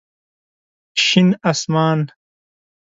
شين اسمان